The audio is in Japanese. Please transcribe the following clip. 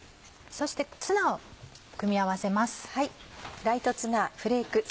そしてツナを組み合わせます。